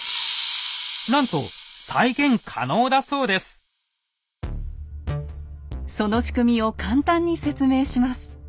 なんとその仕組みを簡単に説明します。